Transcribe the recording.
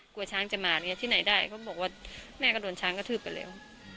กลัวช้างจะมาที่ไหนได้เขาบอกว่าแม่ก็โดนช้างกระทืบไปแล้ว